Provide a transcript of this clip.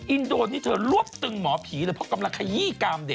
อินโดนี่เธอรวบตึงหมอผีเลยเพราะกำลังขยี้กามเด็ก